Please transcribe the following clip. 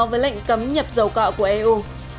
với lệnh cấm nhập dầu cọ của eu